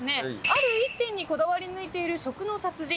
ある一点にこだわりぬいている食の達人